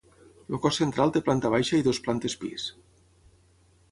El cos central té planta baixa i dues plantes pis.